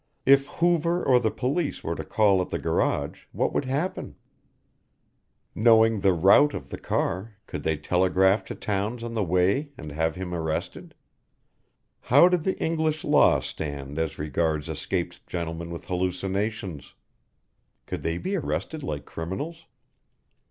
If Hoover or the police were to call at the garage, what would happen? Knowing the route of the car could they telegraph to towns on the way and have him arrested? How did the English law stand as regards escaped gentlemen with hallucinations? Could they be arrested like criminals?